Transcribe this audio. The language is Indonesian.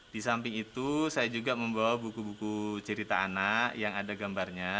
di samping itu saya juga membawa buku buku cerita anak yang ada gambarnya